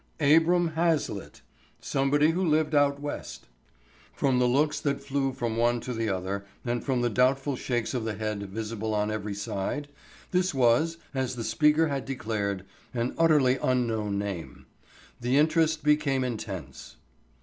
"Abram Hazlitt. Somebody who lived out west." From the looks that flew from one to the other and from the doubtful shakes of the head visible on every side, this was, as the speaker had declared, an utterly unknown name. The interest became intense.